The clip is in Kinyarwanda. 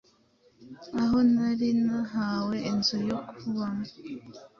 aho nari nahawe inzu yo kubamo.”